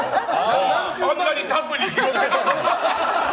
あんなにタフに拾ってたのに？